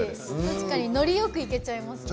ノリよくいけちゃいますね。